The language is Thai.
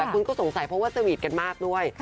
คุณก็สงสัยเพราะว่าสวีทกันมากด้วย